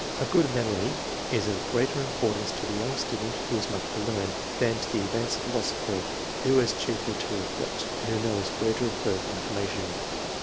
A good memory is of greater importance to the 3^oung student who has much to learn, than 108 ENGLISH MEN OF SCIENCE. • [chap. to the advanced philosopher who has chiefly to reflect, and who knows where to refer for information.